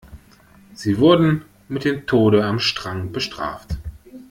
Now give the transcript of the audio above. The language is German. Sie wurden mit dem Tode am Strang bestraft.